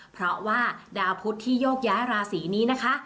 เพราะว่าดาวพุทธที่โยกย้ายราศีนี้นะคะ